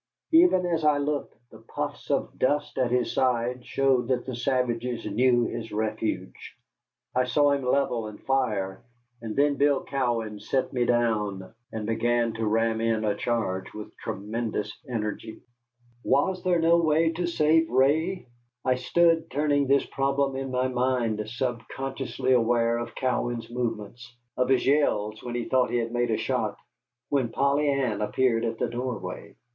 Even as I looked the puffs of dust at his side showed that the savages knew his refuge. I saw him level and fire, and then Bill Cowan set me down and began to ram in a charge with tremendous energy. Was there no way to save Ray? I stood turning this problem in my mind, subconsciously aware of Cowan's movements: of his yells when he thought he had made a shot, when Polly Ann appeared at the doorway.